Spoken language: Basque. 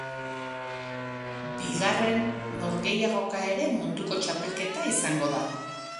Bigarren norgehiagoka ere munduko txapelketa izango da.